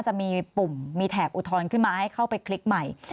จะมีปุ่มมีแถบอุทธรณ์ขึ้นมาให้เข้าไปคลิกใหม่